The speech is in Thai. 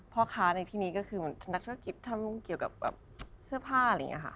พ่อค้าในที่นี้ก็คือเหมือนนักธุรกิจทำเกี่ยวกับแบบเสื้อผ้าอะไรอย่างนี้ค่ะ